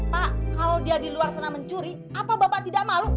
pak kalau dia di luar sana mencuri apa bapak tidak malu